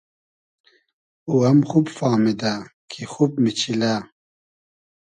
او ام خوب فامیدۂ کی خوب میچیلۂ